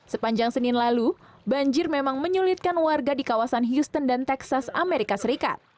sepanjang senin lalu banjir memang menyulitkan warga di kawasan houston dan texas amerika serikat